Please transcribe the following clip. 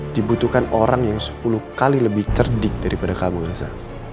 dibutuhkan orang yang sepuluh kali lebih cerdik daripada kamu gaza